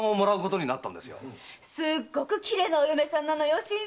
すごくきれいなお嫁さんなのよ。